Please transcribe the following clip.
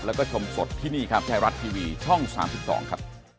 แล้วก็ชมสดที่นี่ครับไทยรัฐทีวีช่อง๓๒ครับ